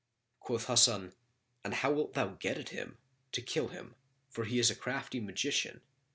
Quoth Hasan, "And how wilt thou get at him, to kill him, for he is a crafty magician?"